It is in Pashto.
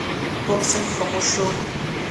ټول صنف خاموش شو.